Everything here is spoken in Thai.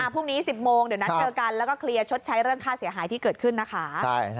พรุ่งนี้๑๐โมงเดี๋ยวนัดเจอกันแล้วก็เคลียร์ชดใช้เรื่องค่าเสียหายที่เกิดขึ้นนะคะ